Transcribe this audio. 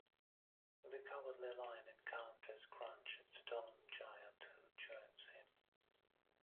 The Cowardly Lion encounters Crunch, a stone giant, who joins him.